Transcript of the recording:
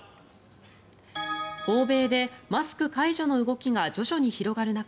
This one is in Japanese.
欧米でマスク解除の動きが徐々に広がる中